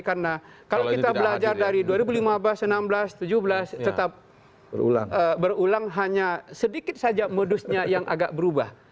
karena kalau kita belajar dari dua ribu lima belas dua ribu enam belas dua ribu tujuh belas tetap berulang hanya sedikit saja modusnya yang agak berubah